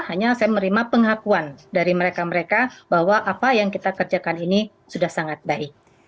hanya saya menerima pengakuan dari mereka mereka bahwa apa yang kita kerjakan ini sudah sangat baik